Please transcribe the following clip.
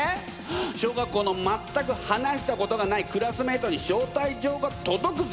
小学校の全く話したことがないクラスメイトに招待状が届くぜ。